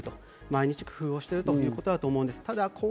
毎日工夫をしているということだと思います。